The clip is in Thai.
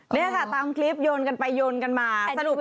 นี่ค่ะตามคลิปโยนกันไปโยนกันมาสรุป